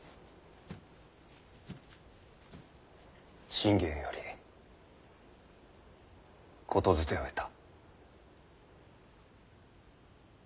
信玄より言づてを得た。